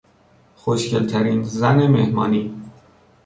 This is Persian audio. خوشگلترین زن مهمانی